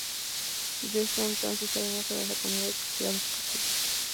Joshua entonces orina sobre la comida y es castigado por lo que hizo.